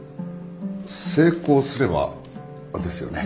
成功すればですよね？